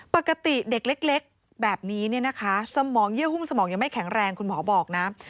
ปกติเด็กเล็กแบบนี้เนี่ยนะคะสมองเยื่อหุ้มสมองยังไม่แข็งแรงคุณหมอบอกนะ